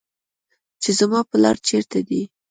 چې زما پلار چېرته دى.